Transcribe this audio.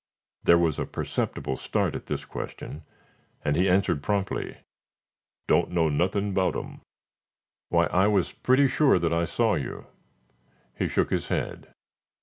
There was a perceptible start at this question, but he answered promptly: "Don't know nothing 'bout 'em." "Why, I was pretty sure that I saw you." He shook his head.